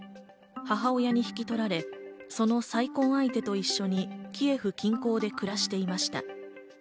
母親に引き取られその再婚相手と一緒にキエフ近郊で暮らしていました。